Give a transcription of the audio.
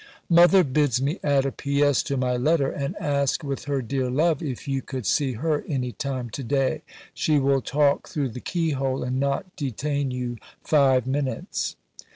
"Mother bids me add a P.S. to my letter and ask with her dear love if you could see her any time to day; she will talk through the keyhole and not detain you five minutes."